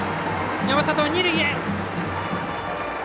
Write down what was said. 山里、二塁へ！